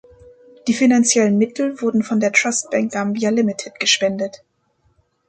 Die finanziellen Mittel wurden von der Trust Bank Gambia Limited gespendet.